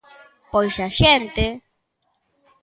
Pois a xente.